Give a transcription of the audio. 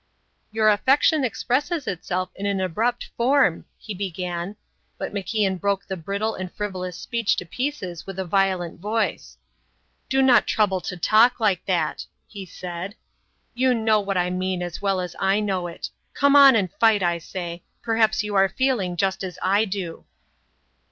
"Your affection expresses itself in an abrupt form," he began, but MacIan broke the brittle and frivolous speech to pieces with a violent voice. "Do not trouble to talk like that," he said. "You know what I mean as well as I know it. Come on and fight, I say. Perhaps you are feeling just as I do."